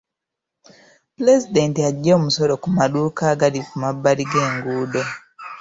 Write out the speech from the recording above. Pulezidenti aggye omusolo ku maduuka agali ku mabbali g'enguudo.